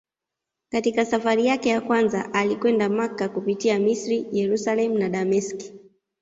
Katika safari yake ya kwanza alikwenda Makka kupitia Misri, Yerusalemu na Dameski.